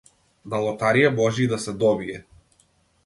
На лотарија може и да се добие.